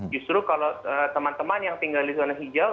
justru kalau teman teman yang tinggal di zona hijau